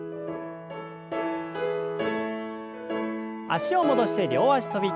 脚を戻して両脚跳び。